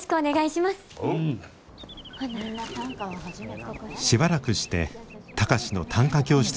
しばらくして貴司の短歌教室が開かれました。